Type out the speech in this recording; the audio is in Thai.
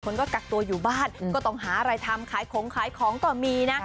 คนก็กักตัวอยู่บ้านก็ต้องหาอะไรทำขายของขายของก็มีนะ